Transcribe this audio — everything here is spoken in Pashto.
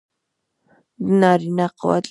د نارینه قوت لپاره باید څه شی وکاروم؟